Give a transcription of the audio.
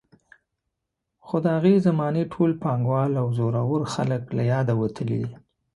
خو د هغې زمانې ټول پانګوال او زورور خلک له یاده وتلي دي.